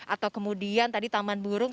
atau kemudian tadi taman burung